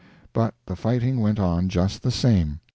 But the fighting went on just the same.